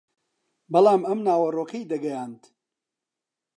بەڵام ئەم ناوەڕۆکەی دەگەیاند